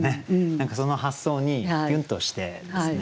何かその発想にキュンとしてですね。